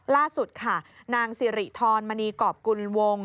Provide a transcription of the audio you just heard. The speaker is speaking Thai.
ล่าสุดค่ะนางสิริธรมณีกรอบกุลวง